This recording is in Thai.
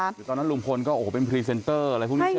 หรือตอนนั้นลุงพลก็โอ้โหเป็นพรีเซนเตอร์อะไรพวกนี้ใช่ไหม